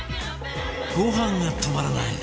ご飯が止まらない！